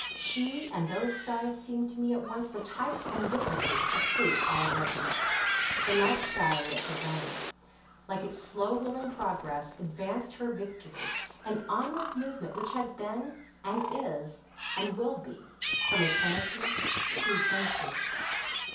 She and those stars seemed to me at once the types and witnesses of truth all regnant. The night sky lit her reign: like its slow wheeling progress, advanced her victory—that onward movement which has been, and is, and will be from eternity to eternity.